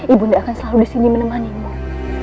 ibu nda akan selalu disini menemani ibu nda